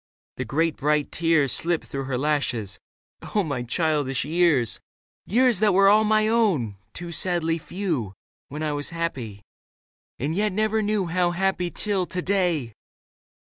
The great bright tears Slipped through her lashes, " Oh, my childish years ! Years that were all my own, too sadly few. When I was happy — and yet never knew How happy till to day